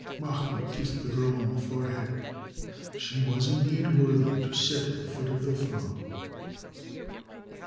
Mahmoud kissed the girl on the forehead; she was, indeed, worthy to sit at the foot of the throne.